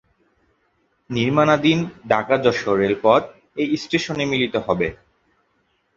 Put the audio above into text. নির্মাণাধীন ঢাকা-যশোর রেলপথ এই স্টেশনে মিলিত হবে।